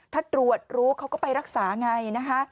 ถ้าตรวจรู้เขาก็ไปรักษาไงนะคะ